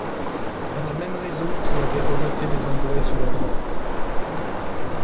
Par la même raison qui avait rejeté les Anglais sur leur droite.